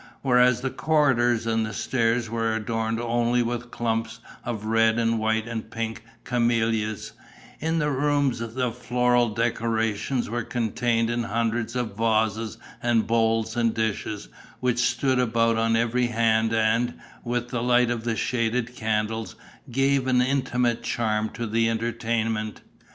Whereas the corridors and stairs were adorned only with clumps of red and white and pink camellias, in the rooms the floral decorations were contained in hundreds of vases and bowls and dishes, which stood about on every hand and, with the light of the shaded candles, gave an intimate charm to the entertainment.